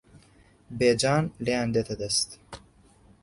بێجان لێیان دێتە دەست